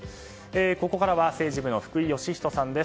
ここからは政治部の福井慶仁さんです。